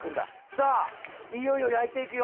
さあいよいよやいていくよ！